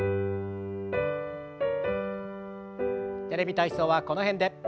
「テレビ体操」はこの辺で。